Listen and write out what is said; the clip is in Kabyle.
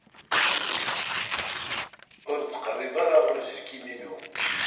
Ur ttqerrib ara ɣer uselkim-inu.